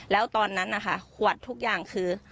แล้วตอนนั้นนะคะขวดทุกอย่างคือ